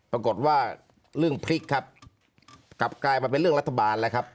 ปรากฏว่าเรื่องพลิกครับกลับกลายมาเป็นเรื่องรัฐบาลแล้วครับ